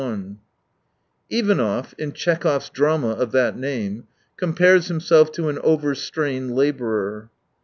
8i Ivanov, in Tchekhov's drama of that name, compares himself to an overstrained labourer.